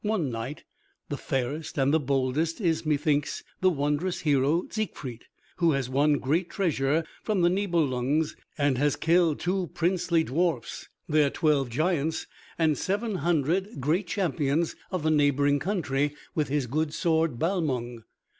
"One knight, the fairest and the boldest, is, methinks, the wondrous hero Siegfried, who has won great treasure from the Nibelungs, and has killed two little princely dwarfs, their twelve giants, and seven hundred great champions of the neighboring country with his good sword Balmung."